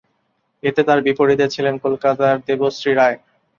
এতে তার বিপরীতে ছিলেন কলকাতার দেবশ্রী রায়।